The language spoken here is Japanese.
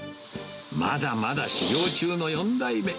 まだまだ修業中の４代目。